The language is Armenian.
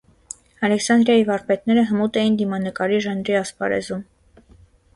Ալեքսանդրիայի վարպետները հմուտ էին դիմանկարի ժանրի ասպարեզում։